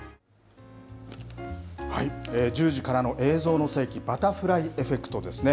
１０時からの映像の世紀バタフライエフェクトですね。